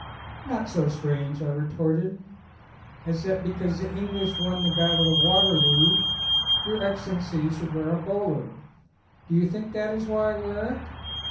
"Not so strange," I retorted, "as that because the English won the battle of Waterloo Your Ex cellency should wear a bowler." "Do you think that is why I wear it?"